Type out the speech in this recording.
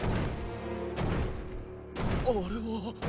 あれは。